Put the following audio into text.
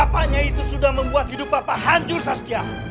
bapaknya itu sudah membuat hidup papa hancur saskia